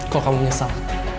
kalau kamu menyesal